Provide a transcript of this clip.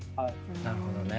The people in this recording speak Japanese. なるほどね。